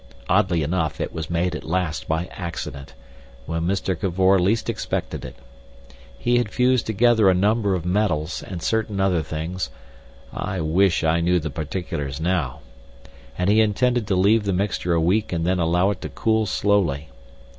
Oddly enough, it was made at last by accident, when Mr. Cavor least expected it. He had fused together a number of metals and certain other things—I wish I knew the particulars now!—and he intended to leave the mixture a week and then allow it to cool slowly.